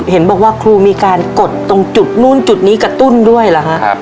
เห็นบอกว่าครูมีการกดตรงจุดนู่นจุดนี้กระตุ้นด้วยเหรอฮะ